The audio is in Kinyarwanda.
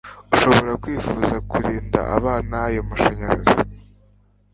urashobora kwifuza kurinda abana ayo mashanyarazi